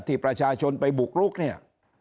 ที่ประชาชนไปบุกรุกเนี่ย